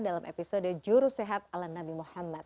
dalam episode juru sehat ala nabi muhammad